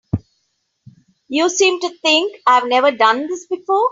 You seem to think I've never done this before.